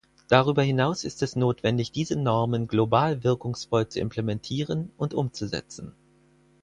Darüber hinaus ist es notwendig, diese Normen global wirkungsvoll zu implementieren und umzusetzen.